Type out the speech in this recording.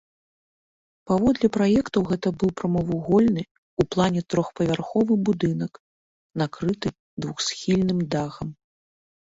Паводле праекта гэта быў прамавугольны ў плане трохпавярховы будынак, накрыты двухсхільным дахам.